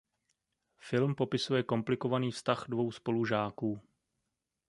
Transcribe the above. Film popisuje komplikovaný vztah dvou spolužáků.